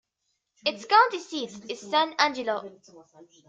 Its county seat is San Angelo.